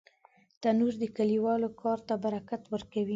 تنور د کلیوالو کار ته برکت ورکوي